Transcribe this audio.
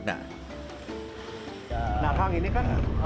nah kang ini kan